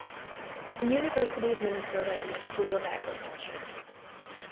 THE UNIVERSITY OF MINNESOTA AND ITS SCHOOL OF AGRICULTURE.